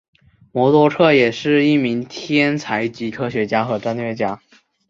魔多客也是一名天才级科学家和战略家。